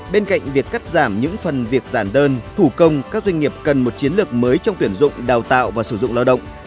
bên cạnh việc cắt giảm những phần việc giản đơn thủ công các doanh nghiệp cần một chiến lược mới trong tuyển dụng đào tạo và sử dụng lao động